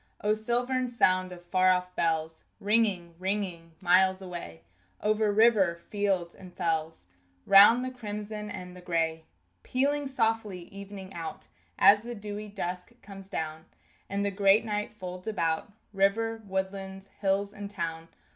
O silvern sound of far off bells Ringing, ringing miles away Over river, fields, and fells, Round the crimson and the gray; Pealing softly evening out As the dewy dusk comes down, And the great night folds about River, woodlands, hills, and town!